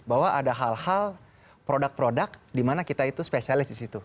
bahwa ada hal hal produk produk di mana kita itu spesialis di situ